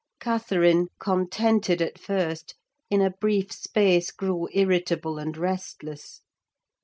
Catherine, contented at first, in a brief space grew irritable and restless.